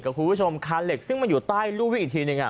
คุณผู้ชมคาเหล็กซึ่งมันอยู่ใต้รูวิ่งอีกทีนึง